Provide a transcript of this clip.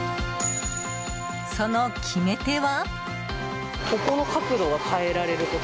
その決め手は？